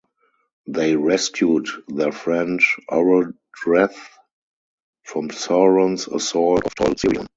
They rescued their friend Orodreth from Sauron's assault at Tol Sirion.